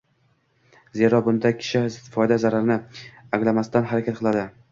Zero, bunda kishi foyda-zarni anglamasdan harakat qiladi